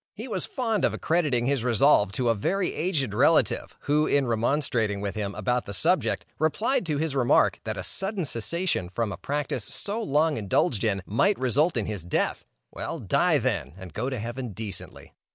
He was fond of accrediting his resolve to a very aged relative, who, in remonstrating with him upon the subject, replied to his remark, that a sudden cessation from a practice so long indulged in, might result in his death: "Well, die, then, and go to heaven decently."